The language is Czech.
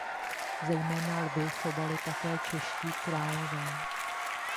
Zejména lvy chovali také čeští králové.